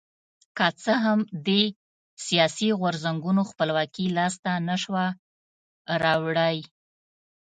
که څه هم دې سیاسي غورځنګونو خپلواکي لاسته نه شوه راوړی.